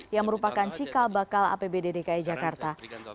yang merupakan cikal bakal apbd dki jakarta